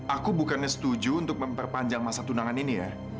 aku bukannya setuju untuk memperpanjang masa tunangan ini ya